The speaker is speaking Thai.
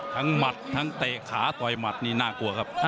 หมัดทั้งเตะขาต่อยหมัดนี่น่ากลัวครับ